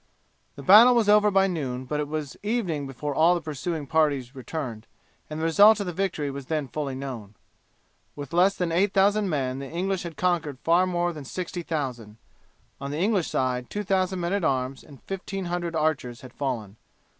The battle was over by noon, but it was evening before all the pursuing parties returned, and the result of the victory was then fully known. With less than 8000 men the English had conquered far more than 60,000. On the English side 2000 men at arms and 1500 archers had fallen.